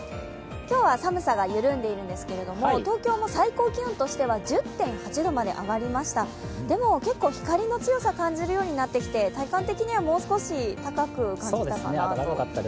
今日は寒さが緩んでいるんですけれども、東京も最高気温としては１０．８度まで上がりました、でも、結構、光の強さを感じるようになってきて、体感的にはもう少し高く感じたかなと。